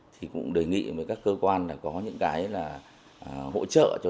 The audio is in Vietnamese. thì cũng đề nghị với các cơ quan là có những cái là hỗ trợ